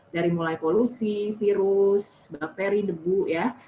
dari mulai polusi virus bakteri debu ya